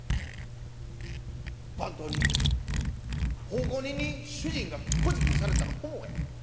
番頭に奉公人に主人がこじきにされたら本望や。